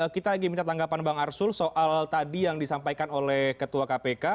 kita lagi minta tanggapan bang arsul soal tadi yang disampaikan oleh ketua kpk